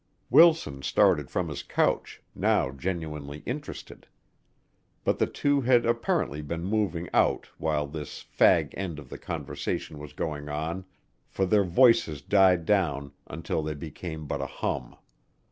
Wilson started from his couch, now genuinely interested. But the two had apparently been moving out while this fag end of the conversation was going on, for their voices died down until they became but a hum.